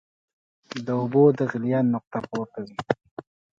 د اوبو د غلیان نقطه پورته ځي.